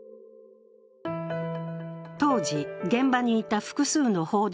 当時、現場にいた複数の報道